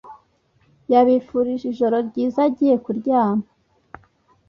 yabifurije ijoro ryiza agiye ku ryama